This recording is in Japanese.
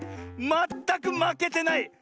まったくまけてない！